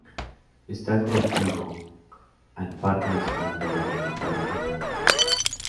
Está contiguo al Parque Nacional Real de Bután al norte.